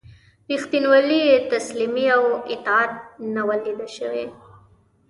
ریښتینولي، تسلیمي او اطاعت نه وه لیده شوي.